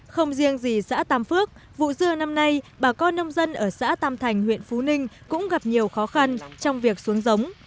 không riêng gì xã tam phước vụ dưa năm nay bà con nông dân ở xã tam thành huyện phú ninh cũng gặp nhiều khó khăn trong việc xuống giống